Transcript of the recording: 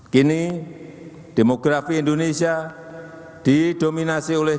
kini demografi indonesia didominasi oleh